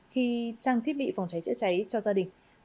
khi trang thiết bị phòng cháy chữa cháy cho gia đình